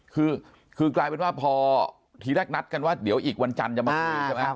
คือคือกลายเป็นว่าพอทีแรกนัดกันว่าเดี๋ยวอีกวันจันทร์จะมาคุยใช่ไหม